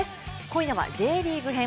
今夜はＪリーグ編。